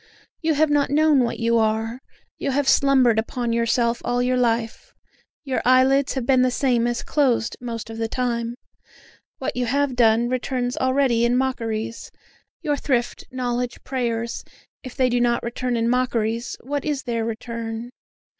You have not known what you are you have slumbered upon yourself all your life; Your eyelids have been the same as closed most of the time; What you have done returns already in mockeries; Your thrift, knowledge, prayers, if they do not return in mockeries, what is their return?